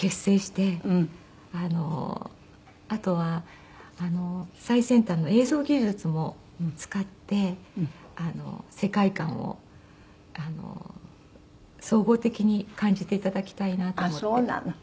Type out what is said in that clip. あとは最先端の映像技術も使って世界観を総合的に感じて頂きたいなと思って。